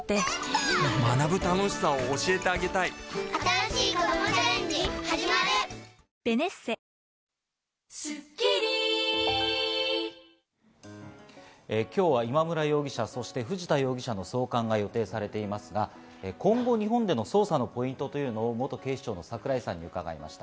良くなっているんだよ、今日は今村容疑者、そして藤田容疑者の送還が予定されていますが、今後、日本での捜査のポイントというのを元警視庁・櫻井さんに伺いました。